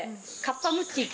カッパムッチー？